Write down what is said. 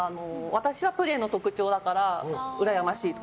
私はプレーの特徴だからうらやましいと。